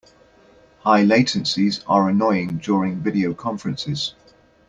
High latencies are annoying during video conferences.